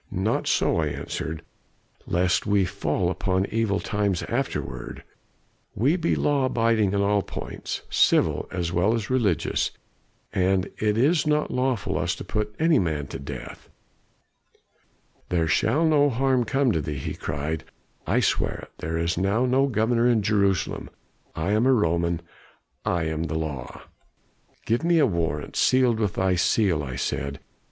"'Not so,' I answered, 'lest we fall upon evil times afterward. We be law abiding in all points civil as well as religious and it is not lawful for us to put any man to death.' "'There shall no harm come to thee,' he cried, 'I swear it. There is now no governor in Jerusalem. I am a Roman. I am the law.' "'Give me a warrant sealed with thy seal,' I said.